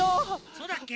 そうだっけ？